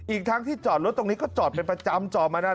อีกทั้งที่จอดรถตรงนี้ก็จอดเป็นประจำจอดมานาน